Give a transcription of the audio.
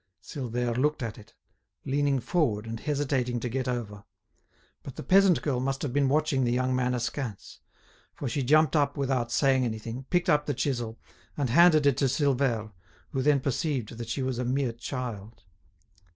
Silvère looked at it, leaning forward and hesitating to get over. But the peasant girl must have been watching the young man askance, for she jumped up without saying anything, picked up the chisel, and handed it to Silvère, who then perceived that she was a mere child.